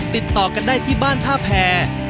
ติดต่อกันได้ที่บ้านท่าแพร